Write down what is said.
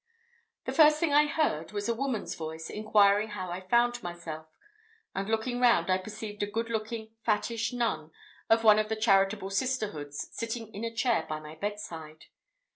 The first thing I heard was a woman's voice, inquiring how I found myself; and looking round, I perceived a good looking, fattish nun, of one of the charitable sisterhoods, sitting in a chair by my bedside.